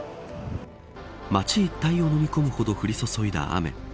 街一帯をのみ込むほど降り注いだ雨。